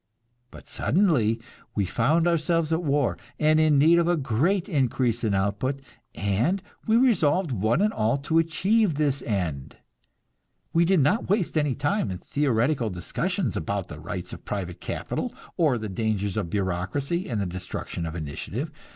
But suddenly we found ourselves at war, and in need of a great increase in output, and we resolved one and all to achieve this end. We did not waste any time in theoretical discussions about the rights of private capital, or the dangers of bureaucracy and the destruction of initiative.